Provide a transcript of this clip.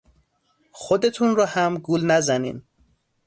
خودتون رو هم گول نزنین.